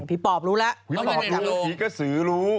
ผีปอบรู้แล้วผีปอบรู้ผีก็สือรู้